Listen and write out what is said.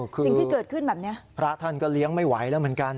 สิ่งที่เกิดขึ้นแบบนี้พระท่านก็เลี้ยงไม่ไหวแล้วเหมือนกัน